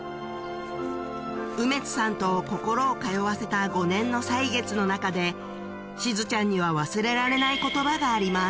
梅津さんと心を通わせた５年の歳月の中でしずちゃんには忘れられない言葉があります